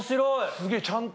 すげぇちゃんと。